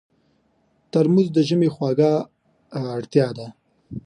ترموز د ژمي خوږه اړتیا ده.